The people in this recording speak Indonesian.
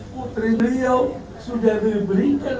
putri beliau sudah diberikan